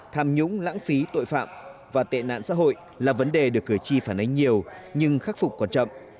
tham nhũng lãng phí tội phạm và tệ nạn xã hội là vấn đề được cử tri phản ánh nhiều nhưng khắc phục còn chậm